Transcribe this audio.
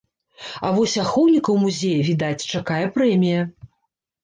А вось ахоўнікаў музея, відаць, чакае прэмія.